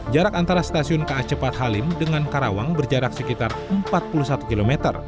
jarak antara stasiun ka cepat halim dengan karawang berjarak sekitar empat puluh satu km